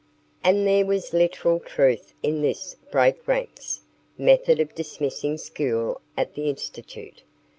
And there was literal truth in this "break ranks" method of dismissing school at the Institute.